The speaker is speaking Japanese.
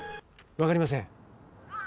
分かりません。